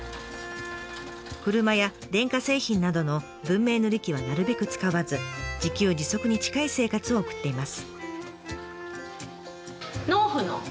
車や電化製品などの文明の利器はなるべく使わず自給自足に近い生活を送っています。